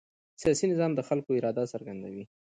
سیاسي نظام د خلکو اراده څرګندوي